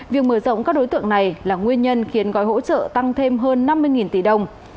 việc mở rộng các đối tượng này là nguyên nhân khiến gói hỗ trợ tăng thêm hơn năm mươi tỷ đồng